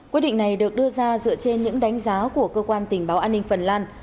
quyết định này được đưa ra dựa trên những đánh giá của cơ quan tình báo an ninh phần lan